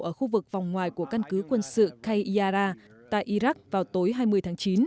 ở khu vực vòng ngoài của căn cứ quân sự kyara tại iraq vào tối hai mươi tháng chín